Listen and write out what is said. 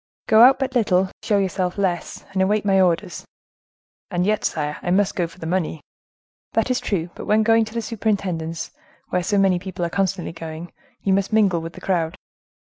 "Go out but little, show yourself less, and await my orders." "And yet, sire, I must go for the money." "That is true, but when going to the superintendence, where so many people are constantly going, you must mingle with the crowd."